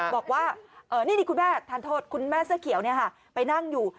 บอกว่านี่คุณแม่ทานโทษคุณแม่เสื้อเขียวไปนั่งอยู่